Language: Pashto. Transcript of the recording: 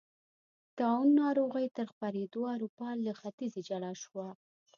طاعون ناروغۍ تر خپرېدو اروپا له ختیځې جلا شوه.